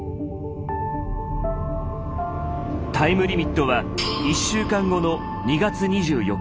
タイムリミットは１週間後の２月２４日。